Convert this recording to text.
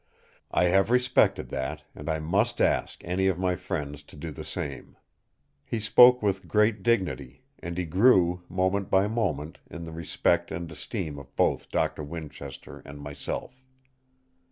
I have respected that; and I must ask any of my friends to do the same." He spoke with great dignity; and he grew, moment by moment, in the respect and esteem of both Doctor Winchester and myself.